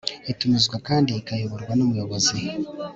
itumizwa kandi ikayoborwa n'umuyobozi